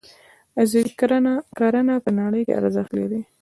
عضوي کرنه په نړۍ کې ارزښت لري